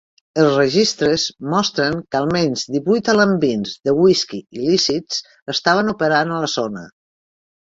Els registres mostren que al menys divuit alambins de whisky il·lícits estaven operant a la zona.